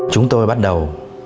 chúng tôi bắt đầu